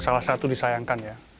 salah satu disayangkan ya